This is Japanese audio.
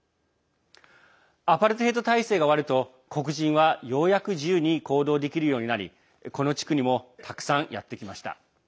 アパルトヘイト体制が終わると黒人は、よくやく自由に行動できるようになりこの地区にもたくさんやって来ました。